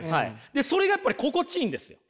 それがやっぱり心地いいんですよ。